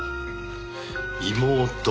妹。